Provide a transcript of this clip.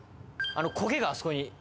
焦げがあそこに。